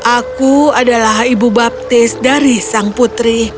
aku adalah ibu baptis dari sang putri